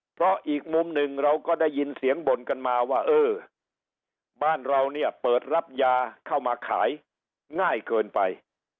เพราะอีกมุมหนึ่งเราก็ได้ยินเสียงบ่นกันมาว่าเออบ้านเราเนี่ยเปิดรับยาเข้ามาขายง่ายเกินไป